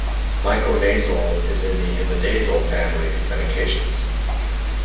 Miconazole is in the imidazole family of medications.